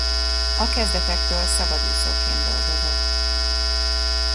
A kezdetektől szabadúszóként dolgozott.